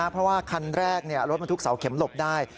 เพราะว่าคันแรกรถบรรทุกเสาเข็มหลบได้